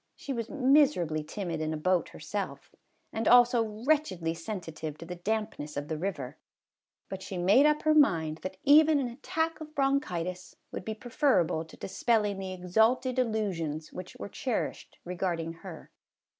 She was miserably timid in a boat herself, and also wretchedly sensitive to the dampness of the river, but she made up her mind that even an attack of bronchitis would be preferable to dispelling the exalted illusions which were cherished regarding her.